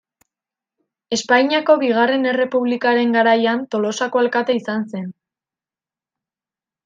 Espainiako Bigarren Errepublikaren garaian Tolosako alkate izan zen.